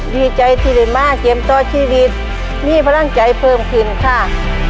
ดีใจที่ได้มาเกมต่อชีวิตมีพลังใจเพิ่มขึ้นค่ะ